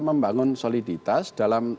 membangun soliditas dalam